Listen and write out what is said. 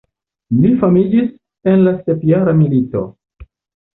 Li famiĝis en la sepjara milito.